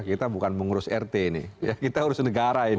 kita bukan mengurus rt nih kita urus negara ini